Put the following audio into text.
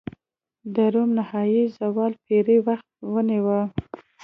د روم نهايي زوال پېړۍ وخت ونیوه.